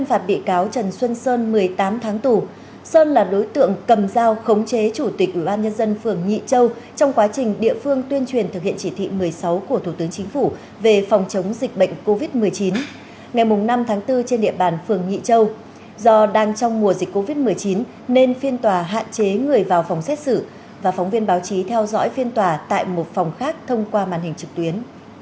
ngày năm tháng bốn trên địa bàn phường nhị châu do đang trong mùa dịch covid một mươi chín nên phiên tòa hạn chế người vào phòng xét xử và phóng viên báo chí theo dõi phiên tòa tại một phòng khác thông qua màn hình trực tuyến